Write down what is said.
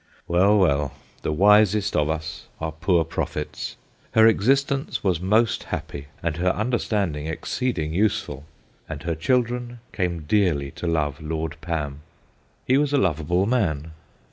Well, well, the wisest of us are poor prophets. Her existence was most happy, and her understanding exceeding useful, and her children came dearly to love Lord Pam. He was a lovable man.